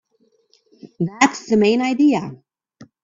That's the main idea.